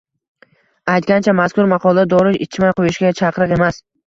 Aytgancha, mazkur maqola dori ichmay qo‘yishga chaqiriq emas